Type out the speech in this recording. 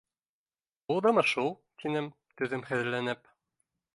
— Булдымы шул? — тинем, түҙемһеҙләнеп.